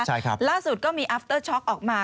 ใช่ครับล่าสุดก็มีอัฟเตอร์ช็อกออกมา